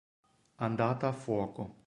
Andata a fuoco.